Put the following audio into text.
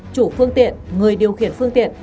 chủ phương tiện người điều khiển phương tiện